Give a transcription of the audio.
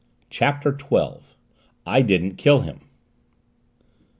CHAPTER TWELVE "I DIDN'T KILL HIM."